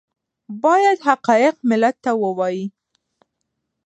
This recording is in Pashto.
باید حقایق ملت ته ووایي